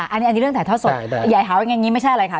อันนี้เรื่องถ่ายท่อสดถามค่อยงั้นไม่ใช่อะไรค่ะ